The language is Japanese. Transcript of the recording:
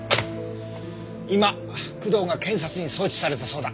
今工藤が検察に送致されたそうだ。